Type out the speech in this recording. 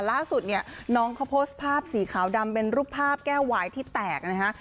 ล่าสุดเนี่ยน้องเขาโพสต์ภาพสีขาวดำเป็นรูปภาพแก้ววายที่แตกนะฮะ